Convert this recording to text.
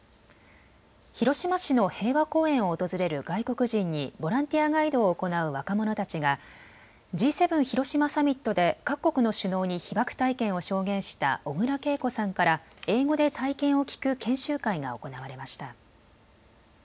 広島市の平和公園を訪れる外国人にボランティアガイドを行う若者たちがＧ７広島サミットで各国の首脳に被爆体験を証言した小倉桂子さんから英語で体験を聞く研修会が行われました。